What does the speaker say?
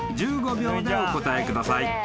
１５秒でお答えください］